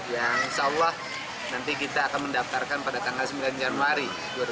yang insya allah nanti kita akan mendaftarkan pada tanggal sembilan januari dua ribu dua puluh